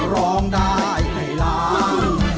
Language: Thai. คือร้องได้ให้ร้อง